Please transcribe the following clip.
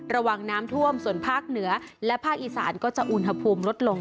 ระวังน้ำท่วมส่วนภาคเหนือและภาคอีสานก็จะอุณหภูมิลดลง